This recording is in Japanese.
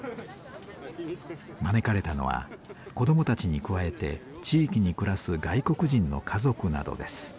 招かれたのは子どもたちに加えて地域に暮らす外国人の家族などです。